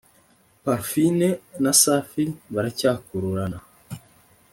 Parfine nasafi baracyakururana